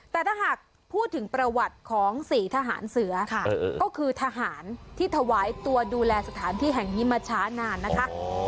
แต่ถ้าหากพูดถึงประวัติของ๔ทหารเสือก็คือทหารที่ถวายตัวดูแลสถานที่แห่งนี้มาช้านานนะคะ